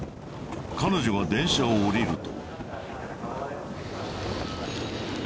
彼女が電車を降りると。